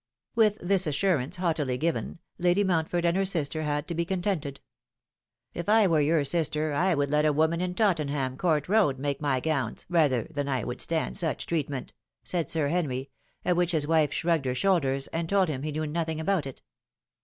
With this assurance, haughtily given, Lady Mountford and her sister had to be contented. " If I were your sister I would let a woman in Tottenham Court Road make my gowns rather than I would stand such treatment," said Sir Henry ; at which his wife shrugged her shoulders and told him he knew nothing about it.